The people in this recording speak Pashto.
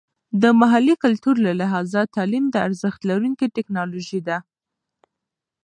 د محلي کلتور له لحاظه تعلیم د ارزښت لرونکې ټیکنالوژي ده.